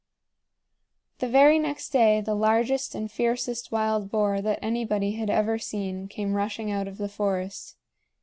The very next day the largest and fiercest wild boar that anybody had ever seen came rushing out of the forest.